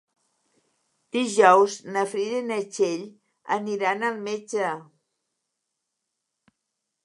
Dijous na Frida i na Txell aniran al metge.